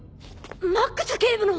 マックス警部の！